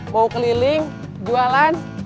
mau keliling jualan